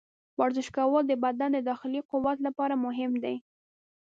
ورزش کول د بدن د داخلي قوت لپاره مهم دي.